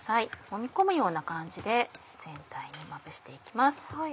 もみ込むような感じで全体にまぶして行きます。